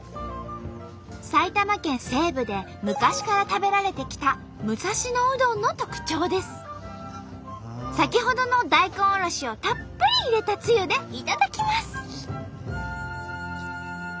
埼玉県西部で昔から食べられてきた先ほどの大根おろしをたっぷり入れたつゆでいただきます。